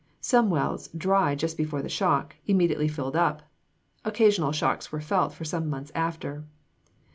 Some wells, dry just before the shock, immediately filled up. Occasional shocks were felt for some months after.